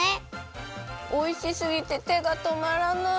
おいしすぎててがとまらない！